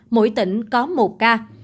mỗi tỉnh có một ca